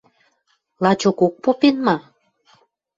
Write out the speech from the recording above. Лачокок попен ма?